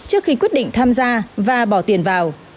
trước khi quyết định tham gia và bỏ tiền vào